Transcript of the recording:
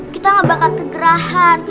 kita gak bakal kegerahan